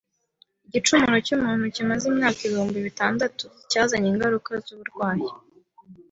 Igicumuro cy’umuntu kimaze imyaka ibihumbi bitandatu cyazanye ingaruka z’uburwayi